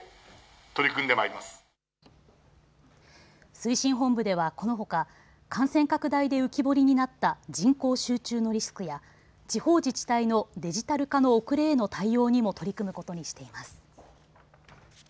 推進本部ではこのほか感染拡大で浮き彫りになった人口集中のリスクや地方自治体のデジタル化の遅れへの対応にも取り組むことにしています。